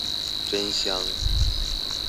真香